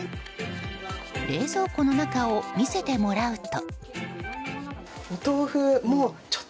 冷蔵庫の中を見せてもらうと。